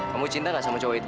kamu cinta gak sama cowok itu